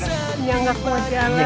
nya enggak mau jalan